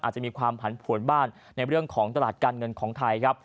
อาจจะมีความผันผวนบ้างในเรื่องของตลาดการเงินของไทยครับ